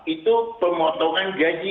itu pemotongan gaji